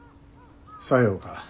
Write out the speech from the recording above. さようか。